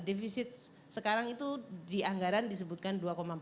deficit sekarang itu di anggaran disebutkan dua empat puluh satu